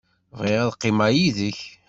Bɣiɣ ad qqimeɣ yid-k.